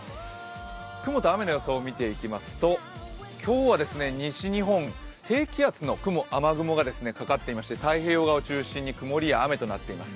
雲と雨の予想を見ていきますと今日は西日本、低気圧の雨雲がかかっていまして太平洋側を中心に曇りや雨となっています。